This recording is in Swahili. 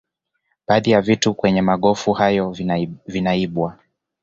Baadhi ya vitu kwenye magofu hayo vinaibwa